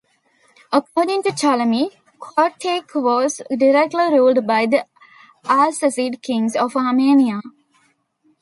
According to Ptolemy, Kotayk was directly ruled by the Arsacid kings of Armenia.